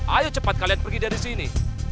ayo cepat kalian pergi dari sini